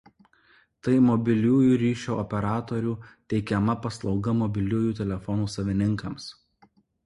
Tai mobiliųjų ryšio operatorių teikiama paslauga mobiliųjų telefonų savininkams.